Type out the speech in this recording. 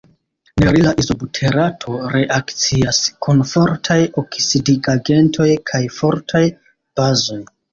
Nerila izobuterato reakcias kun fortaj oksidigagentoj kaj fortaj bazoj.